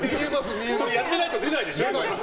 やってないと出ないでしょ、それ。